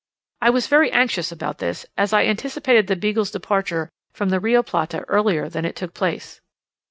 I was very anxious about this, as I anticipated the Beagle's departure from the Rio Plata earlier than it took place.